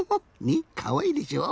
ねっかわいいでしょ？